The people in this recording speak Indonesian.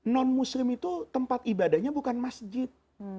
non muslim itu tempat ibadahnya bukan masjid